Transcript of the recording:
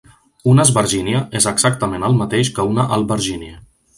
Una esbergínia és exactament el mateix que una albergínia.